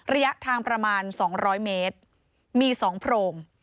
ระยะทางประมาณสองร้อยเมตรมีสองโพรง